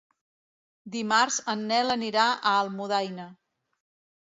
Dimarts en Nel anirà a Almudaina.